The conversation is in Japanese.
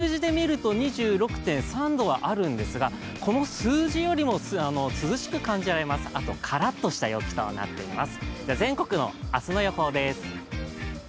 気温に関していうと、今、数字で見ると２６．３度はあるんですが、この数字よりも涼しく感じられます、あとカラッとした陽気になっています。